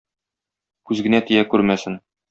Күз генә тия күрмәсен!